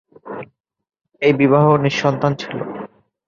এই বিবাহ নিঃসন্তান ছিল।